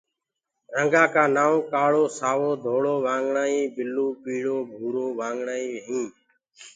رنگآ ڪآ نآئونٚ ڪآݪو، سآوو، ڌوݪو، وآگڻآئي، بِلوُ، پيٚݪو، ڀُورو وآگڻآئي هينٚ۔